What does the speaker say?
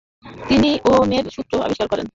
তিনি ও'মের সূত্র আবিষ্কার করেন।